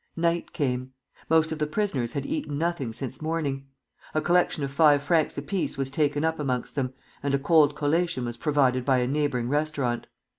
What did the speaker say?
Night came. Most of the prisoners had eaten nothing since morning. A collection of five francs apiece was taken up amongst them, and a cold collation was provided by a neighboring restaurant.